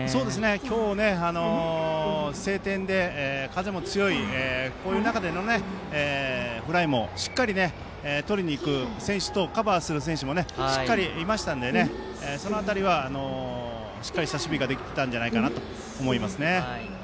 今日、晴天で風も強い中でのフライもしっかりとりにいく選手とカバーする選手もいましたので、その辺りはしっかりした守備ができていたと思います。